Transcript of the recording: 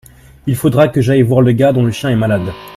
Il faudra que j’aille voir le gars dont le chien est malade.